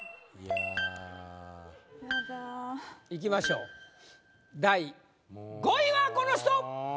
いきましょう第５位はこの人！